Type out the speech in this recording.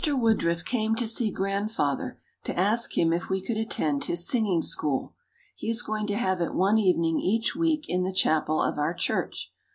Woodruff came to see Grandfather to ask him if we could attend his singing school. He is going to have it one evening each week in the chapel of our church.